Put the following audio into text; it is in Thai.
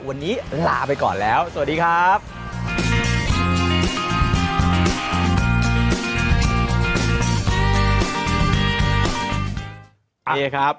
วันนี้ลาไปก่อนแล้วสวัสดีครับ